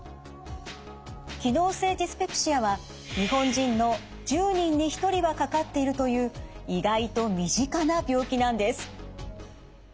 機能性ディスペプシアは日本人の１０人に１人はかかっているという意外と身近な病気なんです。